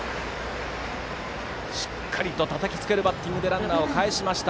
しっかりとたたきつけるバッティングでランナーを返しました